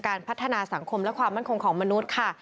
พัฒนาสังคมและความมั่นคงของมนุษย์ค่ะ